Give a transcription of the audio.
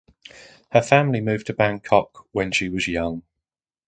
Her family moved to Bangkok when she was young.